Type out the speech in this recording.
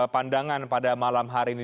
pandangan pada malam hari ini